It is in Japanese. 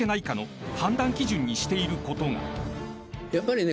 やっぱりね。